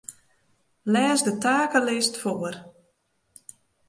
Lês de takelist foar.